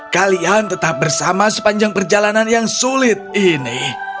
kalian tetap bersama sepanjang perjalanan yang sulit ini